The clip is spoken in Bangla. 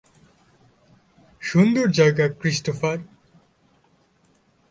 সুন্দর জায়গা ক্রিস্টোফার।